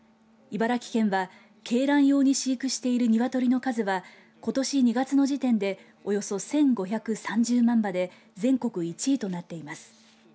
茨城県は鶏卵用に飼育している鶏の数はことし２月の時点でおよそ１５３０万羽で全国１位となっています。